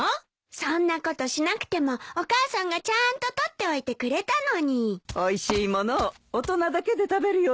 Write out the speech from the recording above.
そんなことしなくてもお母さんがちゃーんと取っておいてくれたのに。おいしい物を大人だけで食べるようなことはしませんよ。